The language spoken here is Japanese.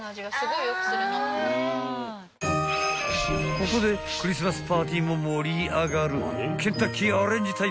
［ここでクリスマスパーティーも盛り上がる］